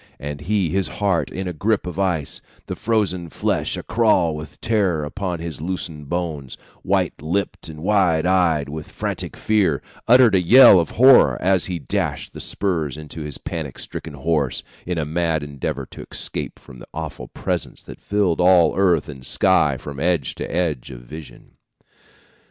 And he, his heart in a grip of ice, the frozen flesh a crawl with terror upon his loosened bones, white lipped and wide eyed with frantic fear, uttered a yell of horror as he dashed the spurs into his panic stricken horse, in a mad endeavor to escape from the Awful Presence that filled all earth and sky from edge to edge of vision.